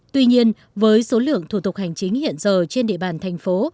tuy nhiên với số lượng thủ tục hành chính hiện giờ trên địa bàn thành phố